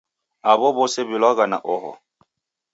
Aw'o w'ose w'ilwagha na oho.